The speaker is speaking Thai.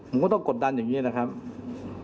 ผมก็ต้องกดดันอย่างนี้นะครับ